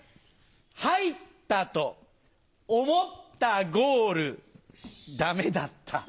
入ったと思ったゴールダメだった。